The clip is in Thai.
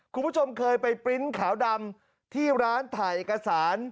คุณผู้ชมเคยไปปริ้นต์ขาวดำที่ร้านถ่ายเอกสาร